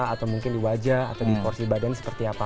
atau mungkin di wajah atau di porsi badan seperti apa